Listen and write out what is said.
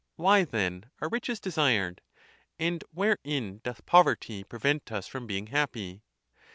Why, then, are riches desired? And wherein doth poverty prevent us.from being happy?